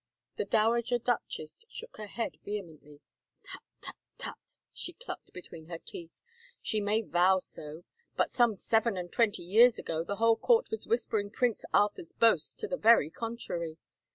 The dowager duchess shook her head vehemently. " Tut tut tut," she clucked between her teeth. " She may vow so, but some seven and twenty years ago the whole i88 •"^ A TRAGIC FARCE court was whispering Prince Arthur's boasts to the very contrary.